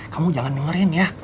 kamu jangan dengerin ya